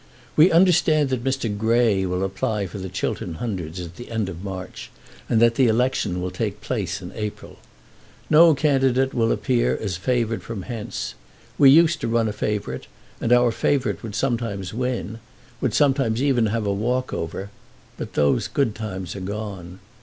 We understand that Mr. Grey will apply for the Chiltern Hundreds at the end of March, and that the election will take place in April. No candidate will appear as favoured from hence. We used to run a favourite, and our favourite would sometimes win, would sometimes even have a walk over; but those good times are gone.